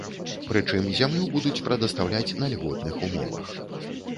Прычым зямлю будуць прадастаўляць на льготных умовах.